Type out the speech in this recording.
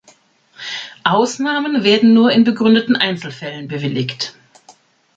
Ausnahmen werden nur in begründeten Einzelfällen bewilligt.